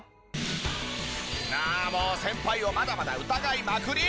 ああもう先輩をまだまだ疑いまくり！